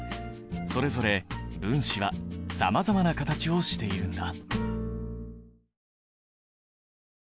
それぞれ分子はさまざまな形をしているんだ。